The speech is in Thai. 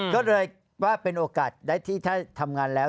ก็เลยว่าเป็นโอกาสได้ที่ถ้าทำงานแล้ว